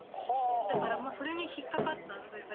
だからそれに引っ掛かったというか。